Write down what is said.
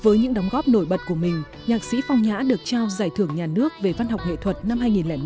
với những đóng góp nổi bật của mình nhạc sĩ phong nhã được trao giải thưởng nhà nước về văn học nghệ thuật năm hai nghìn một